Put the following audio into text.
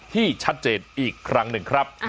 ที่ชัดเจนอีกครั้งหนึ่งครับ